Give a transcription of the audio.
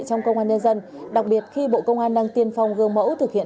trong công an nhân dân đặc biệt khi bộ công an đang tiên phong gương mẫu thực hiện